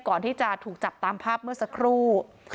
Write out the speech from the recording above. ก่อนที่จะถูกจับตามภาพเมื่อสักครู่